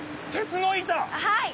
はい！